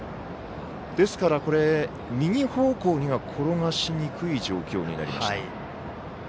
ですから、右方向には転がしにくい状況になりました。